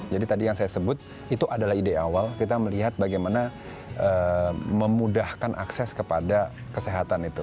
jadi tadi yang saya sebut itu adalah ide awal kita melihat bagaimana memudahkan akses kepada kesehatan itu